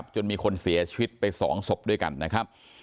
จนมีคนเสียชีวิตไป๒ศพด้วยกันนะครับ